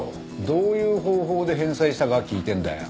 どういう方法で返済したか聞いてるんだよ。